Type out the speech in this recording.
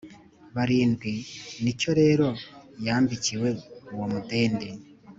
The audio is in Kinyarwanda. barindwi ni cyo rero yambikiwe uwo mudende